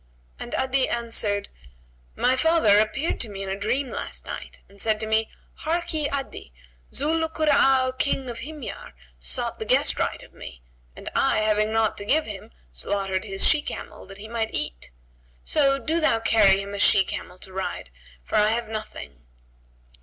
and Adi answered, "My father appeared to me in a dream last night and said to me, 'Harkye, Adi; Zu 'l Kura'a King of Himyar, sought the guest rite of me and I, having naught to give him, slaughtered his she camel, that he might eat: so do thou carry him a she camel to ride, for I have nothing.'"